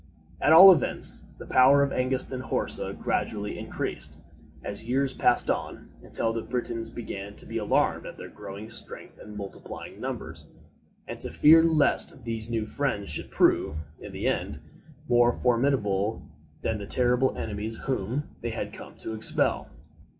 At all events, the power of Hengist and Horsa gradually increased, as years passed on, until the Britons began to be alarmed at their growing strength and multiplying numbers, and to fear lest these new friends should prove, in the end, more formidable than the terrible enemies whom they had come to expel.